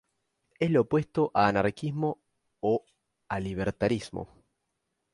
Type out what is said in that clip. Es lo opuesto a anarquismo o a libertarismo.